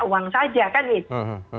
uang saja kan itu